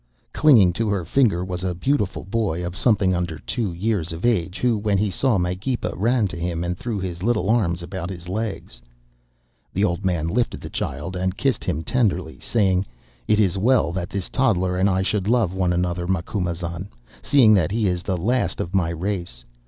Clinging to her finger was a beautiful boy of something under two years of age, who, when he saw Magepa, ran to him and threw his little arms about his legs. The old man lifted the child and kissed him tenderly, saying: "'It is well that this toddler and I should love one another, Macumazahn, seeing that he is the last of my race.